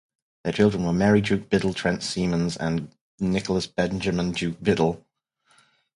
Their children were Mary Duke Biddle Trent Semans and Nicholas Benjamin Duke Biddle.